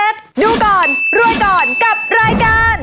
ดูก่อนรวยก่อนกับรายการ